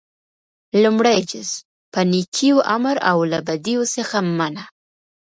لومړی جز - په نيکيو امر او له بديو څخه منع: